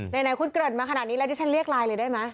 ไหนคุณเกริ่นมาขนาดนี้แล้วดิฉันเรียกไลน์เลยได้ไหม